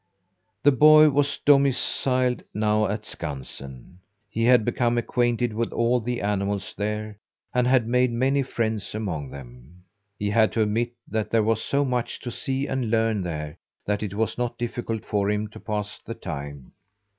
The boy was domiciled now at Skansen. He had become acquainted with all the animals there, and had made many friends among them. He had to admit that there was so much to see and learn there that it was not difficult for him to pass the time.